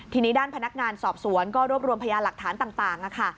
ทีนี้ด้านพนักงานสอบสวนก็รวบรวมพยานหลักฐานต่างค่ะ